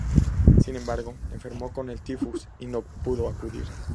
Sin embargo, enfermó con el tifus y no pudo acudir.